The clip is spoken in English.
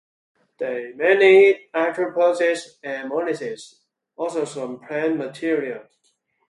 They mainly eat arthropods and molluscs, also some plant material.